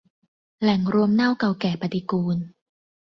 แหล่งรวมเน่าเก่าแก่ปฏิกูล